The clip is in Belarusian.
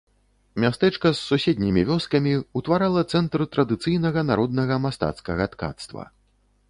Мястэчка з суседнімі вёскамі утварала цэнтр традыцыйнага народнага мастацкага ткацтва.